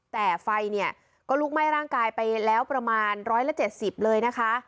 แต่ไฟเนี่ยก็ลุกไหม้ร่างกายไปแล้วประมาณ๑๗๐เลยนะคะ